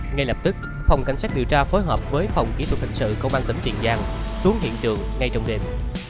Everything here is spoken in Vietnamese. ngay lập tức phòng cảnh sát điều tra phối hợp với phòng kỹ thuật hình sự công an tỉnh tiền giang xuống hiện trường ngay trong đêm